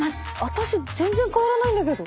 私全然変わらないんだけど。